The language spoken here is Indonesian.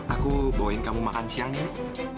aku bawain kamu makan siang ini